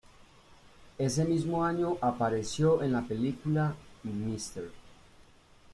Ese mismo año apareció en la película "Mr.